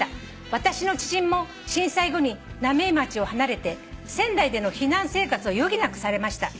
私の知人も震災後に浪江町を離れて仙台での避難生活を余儀なくされました」